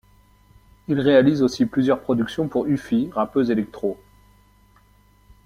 Il réalise aussi plusieurs productions pour Uffie, rappeuse electro.